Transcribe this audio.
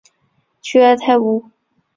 屈埃泰乌。